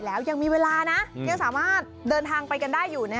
แล้วยังมีเวลานะยังสามารถเดินทางไปกันได้อยู่